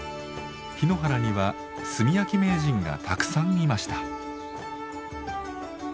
檜原には炭焼き名人がたくさんいました。